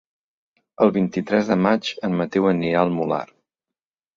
El vint-i-tres de maig en Mateu anirà al Molar.